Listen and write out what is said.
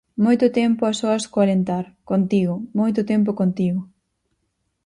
Moito tempo a soas co alentar, contigo, moito tempo contigo.